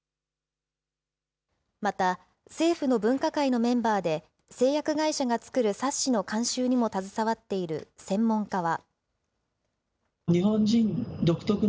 また、政府の分科会のメンバーで、製薬会社が作る冊子の監修にも携わっている専門家は。